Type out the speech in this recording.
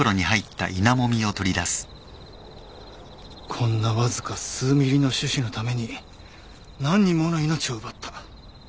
こんなわずか数ミリの種子のために何人もの命を奪った。